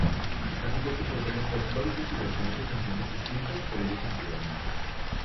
Está compuesto por temas folclóricos y versiones de canciones escritas por ellos anteriormente.